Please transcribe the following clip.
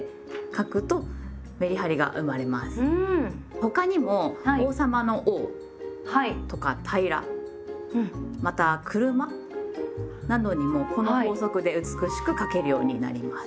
他にも王様の「王」とか「平ら」また「車」などにもこの法則で美しく書けるようになります。